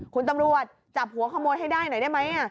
คุณตำรวจจับหัวขโมยให้ได้หน่อยได้ไหม